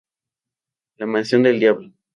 La mansión del diablo